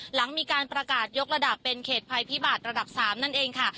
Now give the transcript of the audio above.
หลังมีการประกาศยกระดับเป็นเขตภัยพิบัตรระดับ๓นั่นเองค่ะ